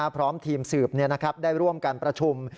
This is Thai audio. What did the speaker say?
พร้อมทีมสืบได้ร่วมการประชุม